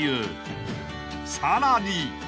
［さらに］